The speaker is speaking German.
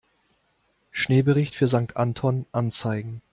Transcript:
Schneebericht für Sankt Anton anzeigen.